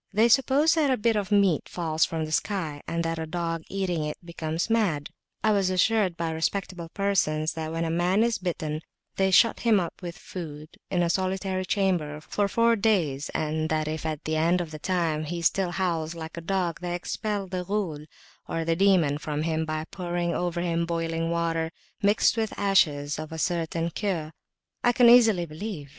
They suppose that a bit of meat falls from the sky, and that a dog eating it becomes mad. I was assured by respectable persons, that when a man is bitten, they shut him up with food, in a solitary chamber, for four days, and that if at the end of that time he still howls like a dog, they expel the Ghul (demon) from him, by pouring over him boiling water mixed with ashes a certain cure I can easily believe.